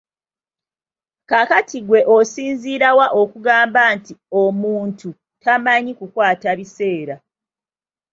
Kaakati ggwe osinziira wa okugamba nti omuntu tamanyi kukwata biseera?